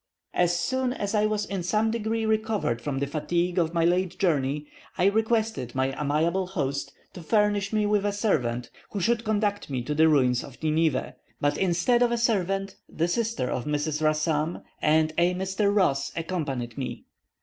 As soon as I was in some degree recovered from the fatigue of my late journey, I requested my amiable host to furnish me with a servant who should conduct me to the ruins of Nineveh; but instead of a servant, the sister of Mrs. Rassam and a Mr. Ross accompanied me.